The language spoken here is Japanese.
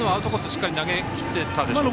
しっかり投げきっていたでしょうか。